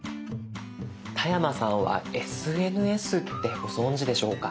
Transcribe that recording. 田山さんはＳＮＳってご存じでしょうか？